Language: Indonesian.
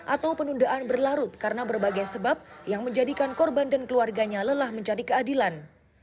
atau penundaan berlarut karena berbagai sebab yang menjadikan korban dan keluarganya lelah menjadi keadilan